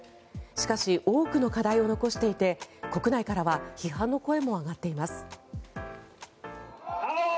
しかし、多くの課題を残していて国内からは批判の声も上がっています。